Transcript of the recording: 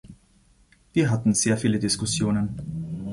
Wir hatten sehr viele Diskussionen.